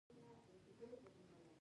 د پښو د فنګس لپاره باید څه شی وکاروم؟